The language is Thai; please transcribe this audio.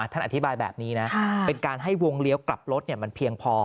ท่านอธิบายแบบนี้นะเป็นการให้วงเลี้ยวกลับรถมันเพียงพอ